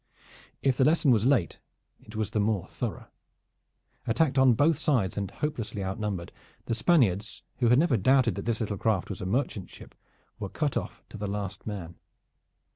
If the lesson was late, it was the more thorough. Attacked on both sides and hopelessly outnumbered, the Spaniards, who had never doubted that this little craft was a merchant ship, were cut off to the last man.